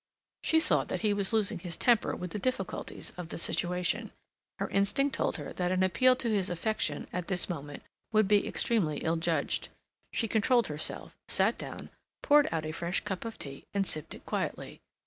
She saw that he was losing his temper with the difficulties of the situation. Her instinct told her that an appeal to his affection, at this moment, would be extremely ill judged. She controlled herself, sat down, poured out a fresh cup of tea, and sipped it quietly.